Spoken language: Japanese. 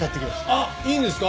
あっいいんですか？